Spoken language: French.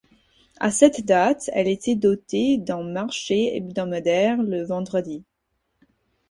À cette date, elle était dotée d'un marché hebomadaire le vendredi.